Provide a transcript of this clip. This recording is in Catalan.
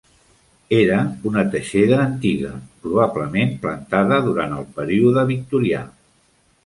Era una teixeda antiga, probablement plantada durant el període victorià.